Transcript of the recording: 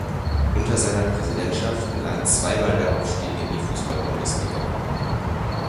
Unter seiner Präsidentschaft gelang zweimal der Aufstieg in die Fußball-Bundesliga.